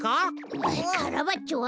うっカラバッチョは？